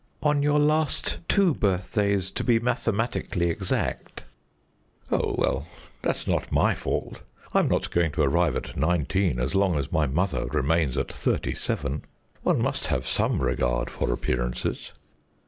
"On your last two birthdays, to be mathematically exact." "Oh, well, that's not my fault. I'm not going to arrive at nineteen as long as my mother remains at thirty seven. One must have some regard for appearances."